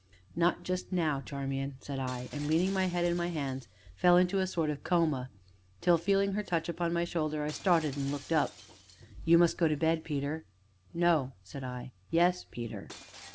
"Not just now, Charmian," said I, and leaning my head in my hands, fell into a sort of coma, till, feeling her touch upon my shoulder, I started, and looked up. "You must go to bed, Peter." "No," said I. "Yes, Peter."